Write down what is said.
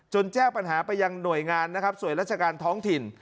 แจ้งปัญหาไปยังหน่วยงานนะครับส่วนราชการท้องถิ่น